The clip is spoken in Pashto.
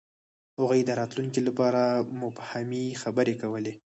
هغوی د راتلونکي لپاره مبهمې خبرې کولې.